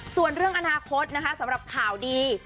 ส่วนเรื่องอนาคตนะคะสำหรับข่าวดี